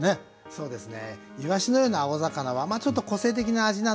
そうですね。